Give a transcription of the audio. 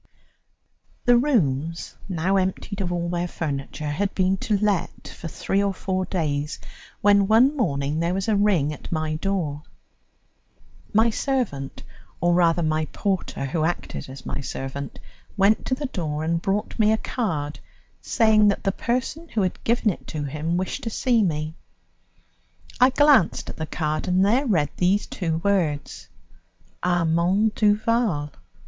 The rooms, now emptied of all their furniture, had been to let for three or four days when one morning there was a ring at my door. My servant, or, rather, my porter, who acted as my servant, went to the door and brought me a card, saying that the person who had given it to him wished to see me. I glanced at the card and there read these two words: Armand Duval.